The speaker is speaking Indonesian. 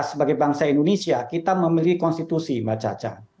sebagai bangsa indonesia kita memiliki konstitusi mbak caca